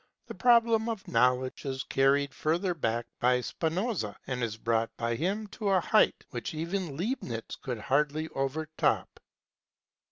The problem of Knowledge is carried further back by Spinoza and is brought by him to a height which even Leibniz could hardly overtop.